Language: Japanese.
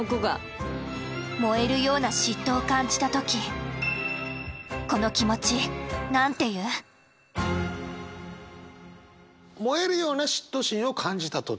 燃えるような嫉妬を感じた時燃えるような嫉妬心を感じた時。